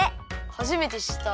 はじめてしった！